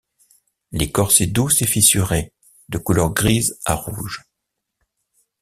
L'écorce est douce et fissurée, de couleur grise à rouge.